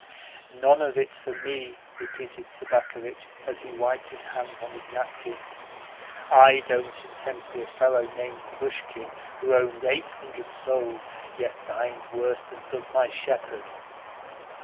"None of it for me," repeated Sobakevitch as he wiped his hands on his napkin. "I don't intend to be like a fellow named Plushkin, who owns eight hundred souls, yet dines worse than does my shepherd."